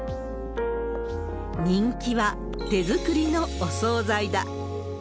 人気は手作りのお総菜だ。